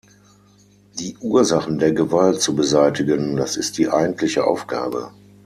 Die Ursachen der Gewalt zu beseitigen, das ist die eigentliche Aufgabe.